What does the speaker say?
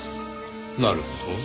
なるほど。